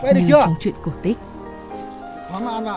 như trong chuyện cổ tích